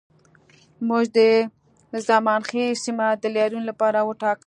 موږ د زمانخیل سیمه د لاریون لپاره وټاکه